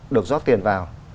được rót tiền vào